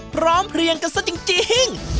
พร้อมเพลียงกันซะจริง